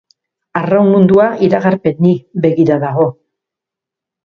Arraun mundua iragarpeni begira dago.